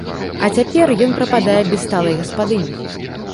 А цяпер ён прападае без сталай гаспадыні.